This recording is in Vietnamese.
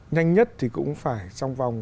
nhanh nhất thì cũng phải trong vòng